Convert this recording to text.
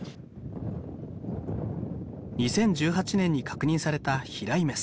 ２０１８年に確認された飛来メス。